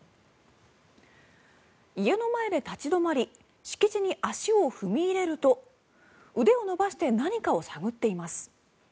家の前で立ち止まり敷地に足を踏み入れると腕を伸ばして何かを探っています。